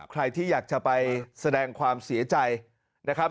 ใครที่อยากจะไปแสดงความเสียใจนะครับ